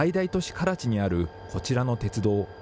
カラチにあるこちらの鉄道。